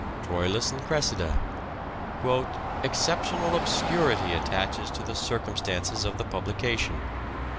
Troilus and Cressida "..." Exceptional obscurity attaches to the circumstances of the publication